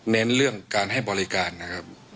เน้นเรื่องการให้บริการนะครับ